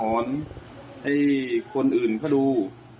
ให้คนอื่นก็ดู